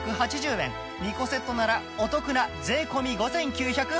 ２個セットならお得な税込５９８０円